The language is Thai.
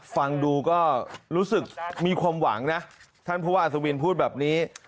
ฟังดูก็รู้สึกมีความหวังนะท่านผู้ว่าอัศวินพูดแบบนี้